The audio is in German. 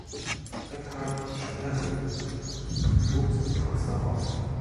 Eckhard Sperling wuchs in Potsdam auf.